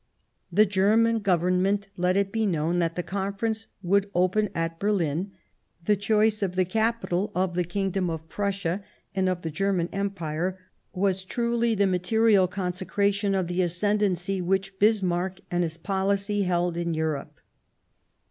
The German Government let it be known that the Conference would open at Berlin ; the choice of the capital of the Kingdom of Prussia, and of the German Empire, was truly the material consecration of the ascendancy which Bismarck and his policy held in Europe.